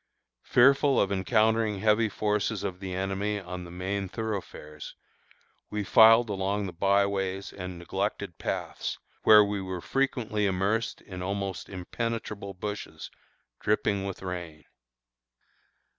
Fearful of encountering heavy forces of the enemy on the main thoroughfares, we filed along the by ways and neglected paths, where we were frequently immersed in almost impenetrable bushes dripping with rain.